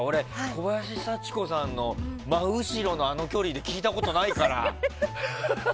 小林幸子さんの真後ろのあの距離で聴いたことないから。